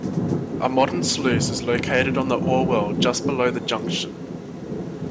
A modern sluice is located on the Orwell just below the junction.